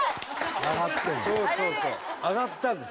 上がったんですよ。